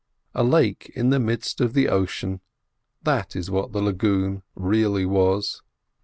A lake in the midst of the ocean, that is what the lagoon really was.